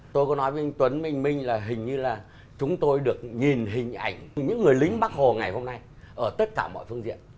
tôi có nói với anh tuấn minh minh là hình như là chúng tôi được nhìn hình ảnh những người lính bắc hồ ngày hôm nay ở tất cả mọi phương diện